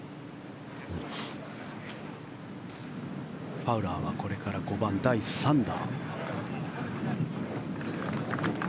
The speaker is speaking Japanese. ファウラーはこれから５番、第３打。